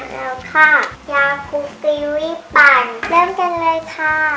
ทุกคนดูมาก